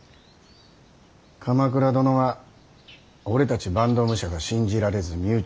鎌倉殿は俺たち坂東武者が信じられず身内を取り立てた。